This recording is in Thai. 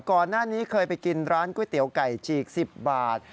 ก่อนหน้านี้เคยไปกินร้านก๋วยเตี๋ยวไก่จีก๑๐บาท